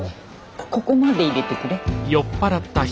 ここまで入れてくれ。